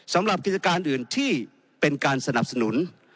สำหรับกิจการอื่นที่เป็นการสนับสนุน